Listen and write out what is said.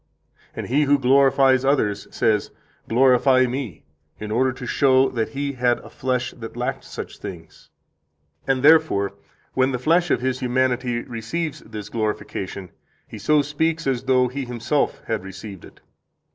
And He who glorifies others says, 'Glorify Me,' in order to show that He had a flesh that lacked such things. And, therefore, when the flesh of His humanity receives this glorification, He so speaks as though He Himself had received it.